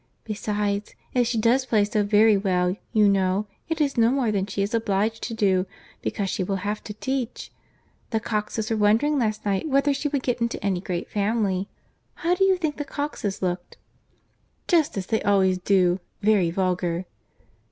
Besides, if she does play so very well, you know, it is no more than she is obliged to do, because she will have to teach. The Coxes were wondering last night whether she would get into any great family. How did you think the Coxes looked?" "Just as they always do—very vulgar."